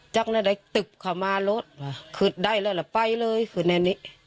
จากนั้นได้ตึบเข้ามารถขึ้นได้แล้วล่ะไปเลยคือในนี้